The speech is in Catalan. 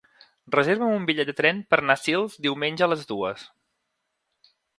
Reserva'm un bitllet de tren per anar a Sils diumenge a les dues.